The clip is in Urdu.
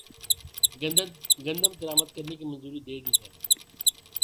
گندم درآمدکرنے کی منظوری دےدی ہے